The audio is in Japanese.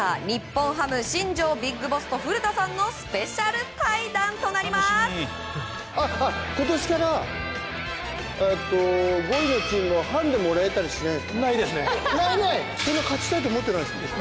日本ハム新庄ビッグボスと古田さんのスペシャル対談です。